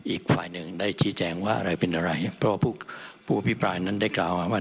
อีกฝ่ายหนึ่งได้ชี้แจงว่าอะไรเป็นอะไรเพราะว่าผู้อภิปรายนั้นได้กล่าวมาว่า